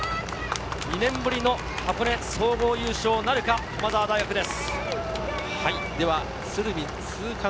２年ぶりの箱根総合優勝なるか、駒澤大学です。